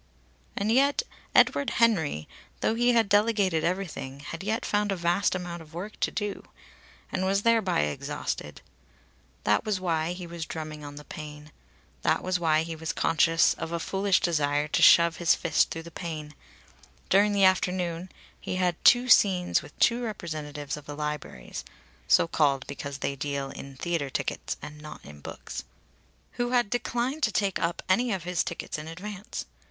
And yet Edward Henry, though he had delegated everything, had yet found a vast amount of work to do; and was thereby exhausted. That was why he was drumming on the pane. That was why he was conscious of a foolish desire to shove his fist through the pane. During the afternoon he had had two scenes with two representatives of the Libraries (so called because they deal in theatre tickets and not in books) who had declined to take up any of his tickets in advance.